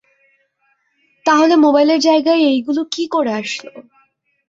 তাহলে মোবাইলের জায়গায় এইগুলা কী করে আসলো?